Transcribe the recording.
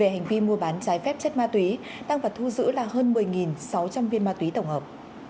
về hành vi mua bán trái phép chất ma túy tăng vật thu giữ là hơn một mươi sáu trăm linh viên ma túy tổng hợp